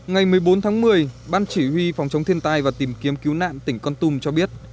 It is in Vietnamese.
ngày một mươi bốn tháng một mươi ban chỉ huy phòng chống thiên tai và tìm kiếm cứu nạn tỉnh con tum cho biết